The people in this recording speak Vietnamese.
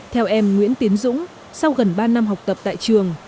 theo em nguyễn tiến dũng sau gần ba năm học tập tại trường